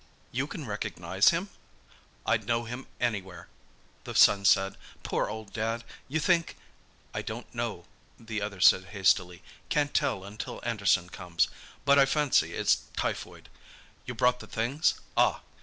"You can recognise him?" "I'd know him anywhere," the son said. "Poor old dad! You think—?" "I don't know," the other said hastily. "Can't tell until Anderson comes. But I fancy it's typhoid. You brought the things? Ah!"